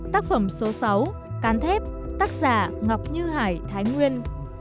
tác phẩm số sáu cán thép tác giả ngọc như hải thái nguyên